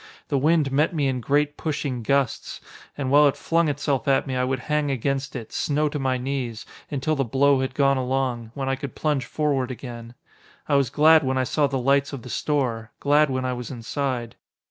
The wind met me in great pushing gusts, and while it flung itself at me I would hang against it, snow to my knees, until the blow had gone along, when I could plunge forward again. I was glad when I saw the lights of the store, glad when I was inside.